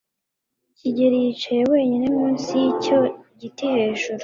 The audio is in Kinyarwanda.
kigeri yicaye wenyine munsi yicyo giti hejuru